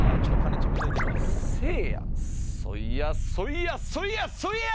そいやそいやそいやそいや！